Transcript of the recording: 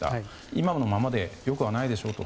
今のままで良くはないでしょうと